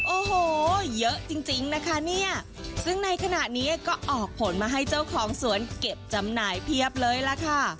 โอ้โหเยอะจริงจริงนะคะเนี่ยซึ่งในขณะนี้ก็ออกผลมาให้เจ้าของสวนเก็บจำหน่ายเพียบเลยล่ะค่ะ